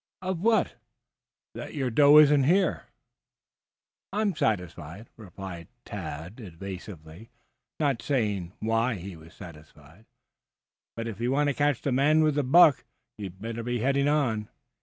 "Of what?" "That your doe isn't here?" "I am satisfied," replied Tad evasively, not saying of what he was satisfied. "If you want to catch the man with the buck, you'd better be heading on.